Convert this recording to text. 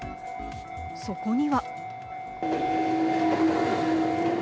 そこには。